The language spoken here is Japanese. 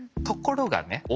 ところがね